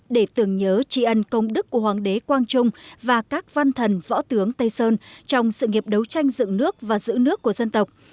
để tưởng nhớ tri ân công đức của hoàng đế quang trung và các văn thần võ tướng tây sơn trong sự nghiệp đấu tranh dựng nước và giữ nước của dân tộc